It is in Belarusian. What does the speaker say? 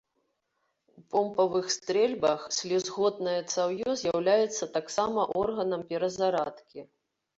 У помпавых стрэльбах слізготнае цаўё з'яўляецца таксама органам перазарадкі.